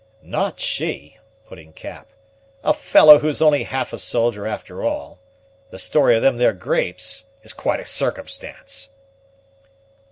"Not she," put in Cap; "a fellow who is only half a soldier after all. The story of them there grapes is quite a circumstance."